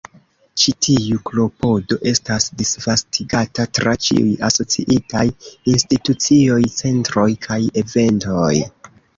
Ĉi tiu klopodo estas disvastigata tra ĉiuj asociitaj institucioj, centroj kaj eventoj.